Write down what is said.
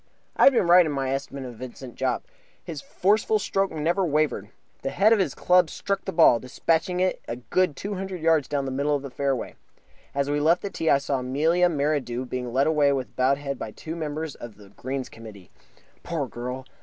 I had been right in my estimate of Vincent Jopp. His forceful stroke never wavered. The head of his club struck the ball, despatching it a good two hundred yards down the middle of the fairway. As we left the tee I saw Amelia Merridew being led away with bowed head by two members of the Greens Committee. Poor girl!